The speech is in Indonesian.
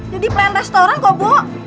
jadi pelayan restoran kok bu